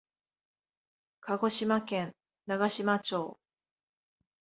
鹿児島県長島町